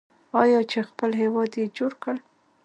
آیا چې خپل هیواد یې جوړ کړ؟